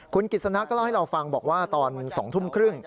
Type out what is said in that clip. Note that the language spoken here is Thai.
คุณกิจสนะก็เล่าให้เราฟังบอกว่าตอน๒ทุ่มครึ่ง